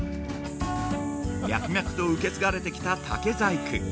◆脈々と受け継がれてきた竹細工。